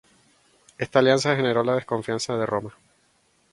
Esta alianza generó la desconfianza de Roma.